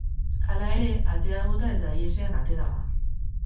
Hala ere, atea bota eta ihesean atera da.